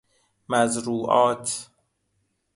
مزروعات